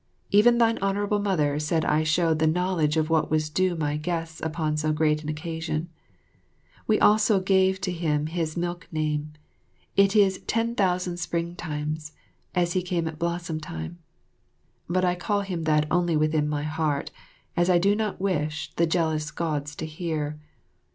Even thine Honourable Mother said I showed the knowledge of what was due my guests upon so great an occasion. We also gave to him his milk name. It is Ten Thousand Springtimes, as he came at blossom time; but I call him that only within my heart, as I do not wish the jealous Gods to hear.